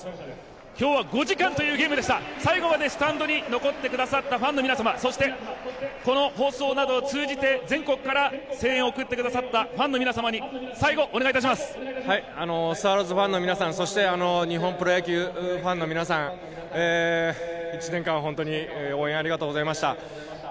今日は５時間というゲームでした、最後までスタンドに残ってくださったファンの皆様、そしてこの放送などを通じて全国から声援を送ってくださったファンの皆様にスワローズファンの皆さん、そして日本プロ野球ファンの皆さん、１年間、本当に応援、ありがとうございました。